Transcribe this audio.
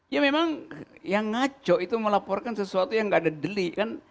ya memang yang ngaco itu melaporkan sesuatu yang gak ada deli kan